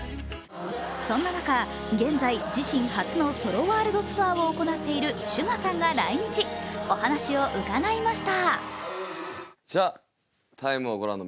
そんな中、現在自身初のソロワールドツアーを行っているＳＵＧＡさんが来日、お話を伺いました。